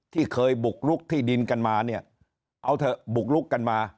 ที่เคยบุกลุกที่ดินกันมาเนี่ยเอาเถอะบุกลุกกันมา